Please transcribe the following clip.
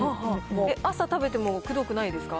朝食べても、くどくないですか？